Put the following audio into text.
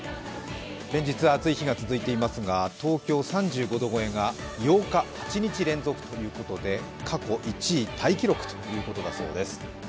連日暑い日が続いていますが東京３５度超えが８日連続ということで過去１位タイ記録ということだそうです。